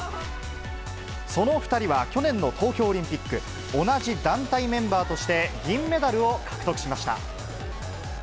その２人は去年の東京オリンピック、同じ団体メンバーとして、銀メダルを獲得しました。